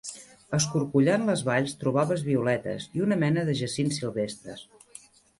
Escorcollant les valls trobaves violetes i una mena de jacints silvestres